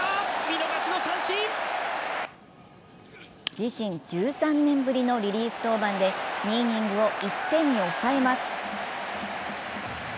自身１３年ぶりのリリーフ登板で２イニングを１点に抑えます。